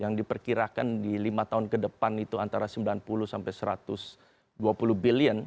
yang diperkirakan di lima tahun ke depan itu antara sembilan puluh sampai satu ratus dua puluh billion